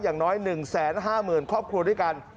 อย่างน้อย๑๕๐๐๐ครอบครัวด้วยกัน